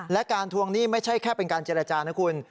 และการทวงหนี้ไม่ใช่แค่เป็นการเจรจานะคุณ